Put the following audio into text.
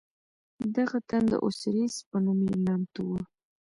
دغه تن د اوسیریس په نوم نامتوو.